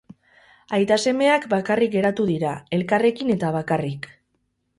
Aita-semeak bakarrik geratu dira, elkarrekin eta bakarrik.